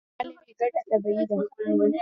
که پیرودونکی خوشحاله وي، ګټه طبیعي ده.